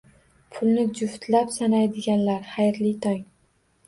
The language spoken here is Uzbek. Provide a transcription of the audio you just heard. Pulni juftlab sanaydiganlar, xayrli tong!